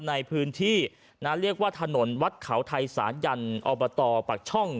ในพื้นที่นะเรียกว่าถนนวัดเขาไทยสายันอบตปักช่อง